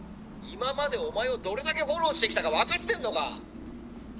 「今までお前をどれだけフォローしてきたか分かってんのか？」。